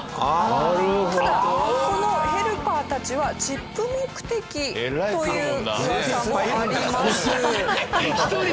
ただこのヘルパーたちはチップ目的という噂もあります。